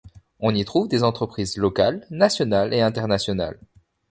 On y trouve des entreprises locales, nationales et internationales.